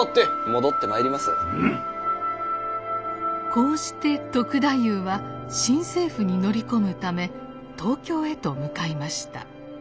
こうして篤太夫は新政府に乗り込むため東京へと向かいました。